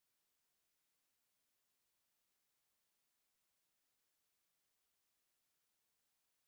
masih harga kakak juga sudah awake